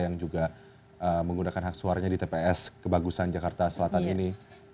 yang juga menggunakan hak suaranya di tps kebagusan jakarta selatan ini